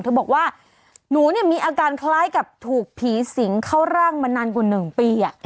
เธอบอกว่าหนูเนี่ยมีอาการคล้ายกับถูกผีสิงเข้าร่างมานานกว่า๑ปี